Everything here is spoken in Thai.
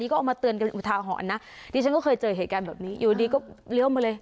ก็ออกมาเตือนกันท้าห่อนนะดิฉันก็เคยเจอเหตุการณ์แบบนี้อยู่ดีอยุ่วดิก็เรี่ยวหมดเลย